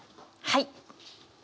はい。